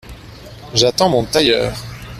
J’attends mon tailleur.